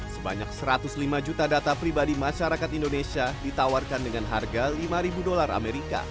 sebanyak satu ratus lima juta data pribadi masyarakat indonesia ditawarkan dengan harga lima dolar amerika